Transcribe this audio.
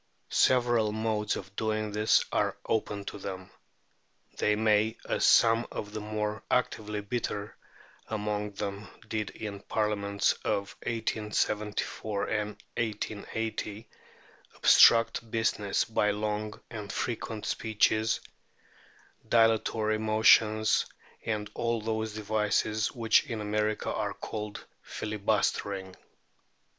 Several modes of doing this are open to them. They may, as some of the more actively bitter among them did in the Parliaments of 1874 and 1880, obstruct business by long and frequent speeches, dilatory motions, and all those devices which in America are called filibustering.